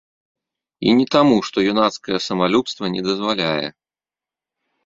І не таму, што юнацкае самалюбства не дазваляе.